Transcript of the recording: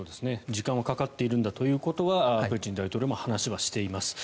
時間はかかっているんだということはプーチン大統領も話はしています。